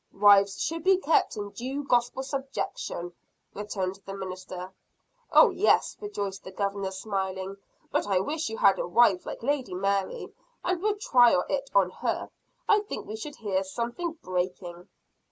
"Wives should be kept in due gospel subjection!" returned the minister. "Oh, yes, rejoined the Governor smiling; but I wish you had a wife like Lady Mary, and would try it on her! I think we should hear something breaking."